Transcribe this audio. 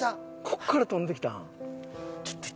ここから飛んできたん？